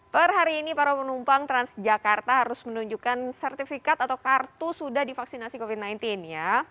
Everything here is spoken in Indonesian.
per hari ini para penumpang transjakarta harus menunjukkan sertifikat atau kartu sudah divaksinasi covid sembilan belas ya